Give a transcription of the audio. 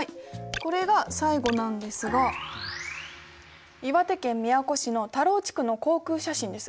これが最後なんですが岩手県宮古市の田老地区の航空写真です。